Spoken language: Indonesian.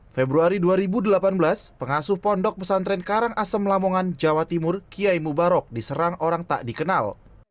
februari dua ribu delapan belas pengasuh pondok pesantren karangasem lamongan jawa timur kiai mubarok diserang orang tak dikenal